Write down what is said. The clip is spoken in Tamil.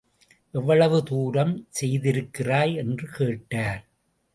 எவ்வளவு தூரம் செய்திருக்கிறாய்? என்று கேட்டார்.